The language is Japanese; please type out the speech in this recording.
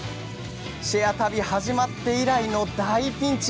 「シェア旅」始まって以来の大ピンチ。